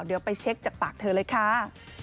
เดี๋ยวไปเช็คจากปากเธอเลยค่ะ